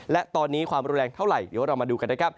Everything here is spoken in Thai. และตอนนี้ความรุนแรงเท่าไหร่เดี๋ยวเรามาดูกันนะครับ